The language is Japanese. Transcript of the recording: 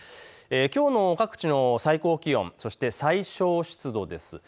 きょうの各地の最高気温、そして最小湿度です。